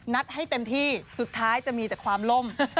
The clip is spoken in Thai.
ให้เต็มที่สุดท้ายจะมีแต่ความล่ม